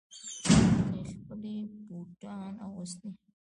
هغې خپلې بوټان اغوستې